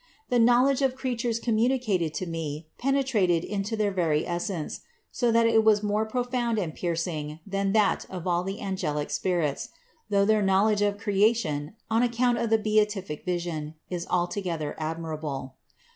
The knowledge of creatures communicated to me penetrated into their very essence, so that it was more profound and piercing than that of all the angelic spirits, though their knowledge of creation, on account of the beatific vision, is altogether admirable.